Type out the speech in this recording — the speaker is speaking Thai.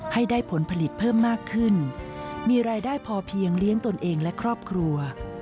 ให้ได้ผลผลิตเพิ่มมากขึ้นมีรายได้พอเพียงเลี้ยงตนเองและครอบครัว